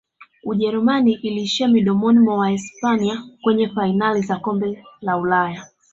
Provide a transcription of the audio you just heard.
ujerumani iliishia mdomoni mwa wahispania kwenye fainali za kombe la ulaya